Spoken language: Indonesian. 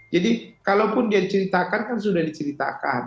jadi kalaupun dia diceritakan kan sudah diceritakan